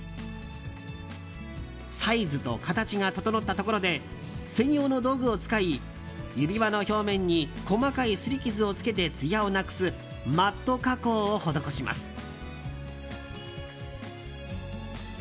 サイズと形が整ったところで専用の道具を使い指輪の表面に細かい擦り傷をつけてつやをなくすマット加工を施します。